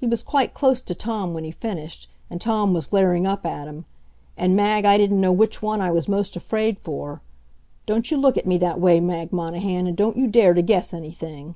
He was quite close to Tom when he finished, and Tom was glaring up at him. And, Mag, I didn't know which one I was most afraid for. Don't you look at me that way, Mag Monahan, and don't you dare to guess anything!